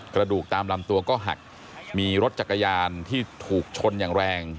กระดูกตามลำตัวก็หักมีรถจักรยานที่ถูกชนอย่างแรง